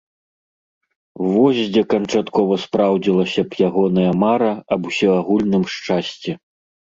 Вось дзе канчаткова спраўдзілася б ягоная мара аб усеагульным шчасці!